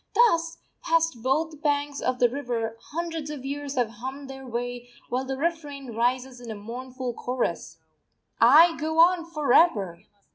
Thus, past both banks of the river, hundreds of years have hummed their way, while the refrain rises in a mournful chorus: _I go on for ever!